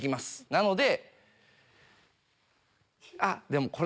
なので。